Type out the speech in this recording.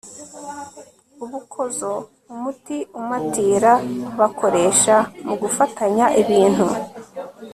ubukozo umuti umatira bakoresha mu gufatanya ibintu